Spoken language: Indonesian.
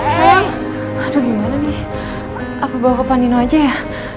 saya aduh gimana nih aku bawa ke panino aja ya